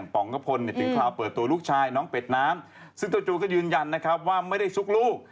ป๋องกระพลถึงคราวเปิดตัวลูกชายน้องเป็ดน้ำซึ่งตัวจูก็ยืนยันนะครับว่าไม่ได้ซุกลูก